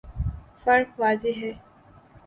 فرق واضح ہے۔